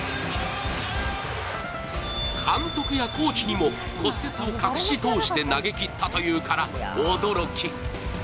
監督やコーチにも骨折を隠し通して投げ切ったというから驚き。